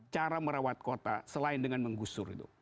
cara merawat kota selain dengan menggusur itu